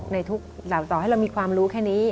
ในทุกต่อให้เรามีความรู้แค่นี้